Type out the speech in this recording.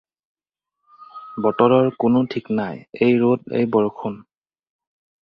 বতৰৰ কোনো ঠিক নাই, এই ৰ'দ, এই বৰষুন।